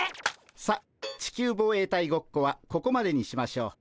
さっ地球防衛隊ごっこはここまでにしましょう。